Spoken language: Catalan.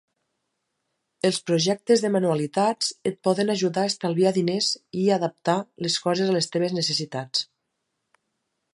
Els projectes de manualitats et poden ajudar a estalviar diners i adaptar les coses a les teves necessitats.